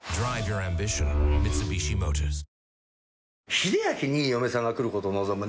英明に嫁さんが来ることを望むね。